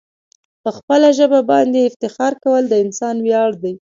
په خپل ژبه باندي افتخار کول د انسان ویاړ دی.